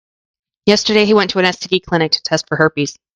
Yesterday, he went to an STD clinic to test for herpes.